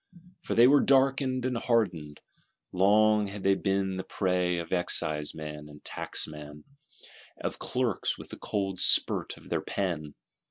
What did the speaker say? For they were darkened and hardened: long had they been the prey of excise men and tax men; of "clerks with the cold spurt of their pen."